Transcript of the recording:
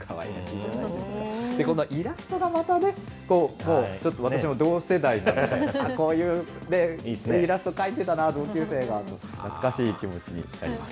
このイラストがまたね、ちょっとね、私も同世代なので、こういうイラスト、描いてたな、同級生がと、懐かしい気持ちになります。